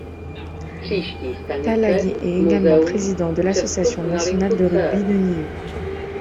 Talagi est également président de l'association nationale de rugby de Niue.